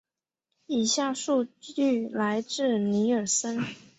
以下数据来自尼尔森。